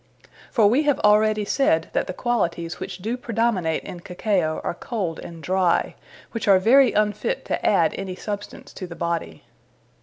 For we have already said, that the qualities which do predominate in Cacao, are cold, and dry; which are very unfit to adde any substance to the body.